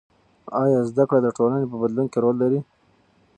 آیا زده کړه د ټولنې په بدلون کې رول لري؟